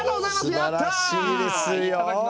すばらしいですよ。